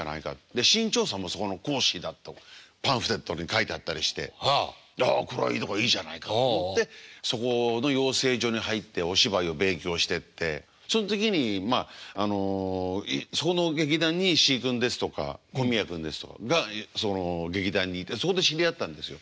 で志ん朝さんもそこの講師だとパンフレットに書いてあったりしてあっこれはいいとこいいじゃないかっていってそこの養成所に入ってお芝居を勉強してってそん時にそこの劇団に石井君ですとか小宮君ですとかがその劇団にいてそこで知り合ったんですよ。